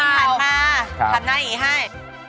ถ้าผู้หญิงผ่านมาทำหน้าอีกให้